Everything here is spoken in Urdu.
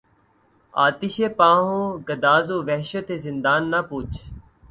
آتشیں پا ہوں گداز وحشت زنداں نہ پوچھ